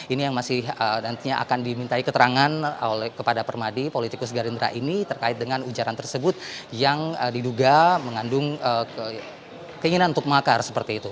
ini yang masih nantinya akan dimintai keterangan kepada permadi politikus gerindra ini terkait dengan ujaran tersebut yang diduga mengandung keinginan untuk makar seperti itu